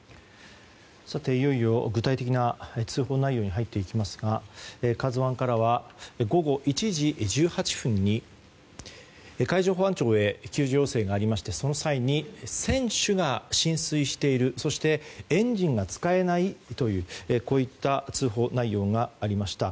いよいよ具体的な通報内容に入りますが「ＫＡＺＵ１」からは午後１時１８分に海上保安庁へ救助要請がありましてその際に船首が浸水しているそしてエンジンが使えないという通報内容がありました。